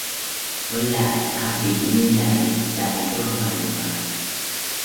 với lại tao bị như này là do mày mà